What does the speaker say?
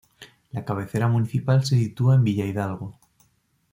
La cabecera municipal se sitúa en Villa Hidalgo.